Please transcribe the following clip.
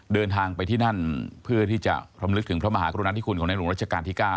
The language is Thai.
เดินทางไปที่นั่นเพื่อที่จะรำลึกถึงพระมหากรุณาธิคุณของในหลวงรัชกาลที่๙